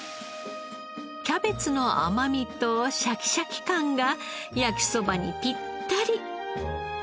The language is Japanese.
キャベツの甘みとシャキシャキ感が焼きそばにピッタリ！